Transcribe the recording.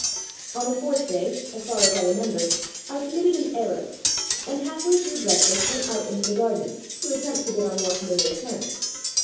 On the fourth day, as far as I remember, I committed an error, and half way through breakfast went out into the garden, to attempt to get on more familiar terms.